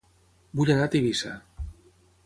Vull anar a Tivissa